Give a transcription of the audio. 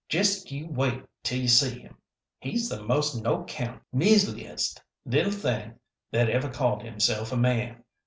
Just you wait till you see him. He's the most no 'count, measleyest little thing that ever called himself a man.